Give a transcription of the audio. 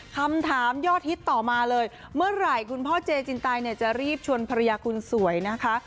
คำถามยอดฮิตต่อมาเลยเมื่อไหร่คุณพ่อเจจินไตเนี่ยจะรีบชวนภรรยาคนสวยนะคะ